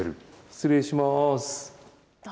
失礼します。